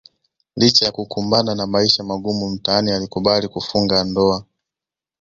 Licha ya kukumbana na maisha magumu mtaani alikubali kufunga ndoa